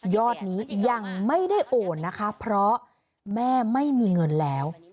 อดนี้ยังไม่ได้โอนนะคะเพราะแม่ไม่มีเงินแล้ว